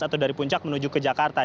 atau dari puncak menuju ke jakarta